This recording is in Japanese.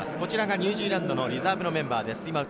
ニュージーランドのリザーブのメンバーです。